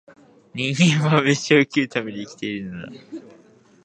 人間は、めしを食うために生きているのだ